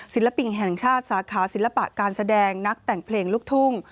ศิลปินแห่งชาติสาขาศิลปะการแสดงนักแต่งเพลงลูกทุ่ง